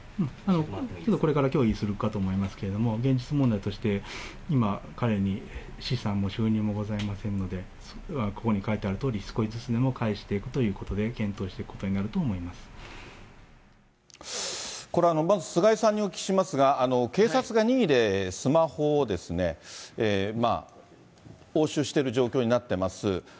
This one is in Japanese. これから協議するかと思いますけれども、現実問題として、今、彼に資産も収入もございませんので、ここに書いてあるとおり、少しずつでも返していくということで検討していくことになると思これ、まず菅井さんにお聞きしますが、警察が任意でスマホを押収してる状況になっています。